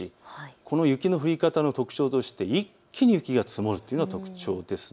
この雪の降り方の特徴として一気に雪が積もるというのが特徴です。